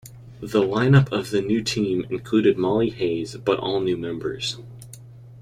The lineup of the new team included Molly Hayes, but all new members.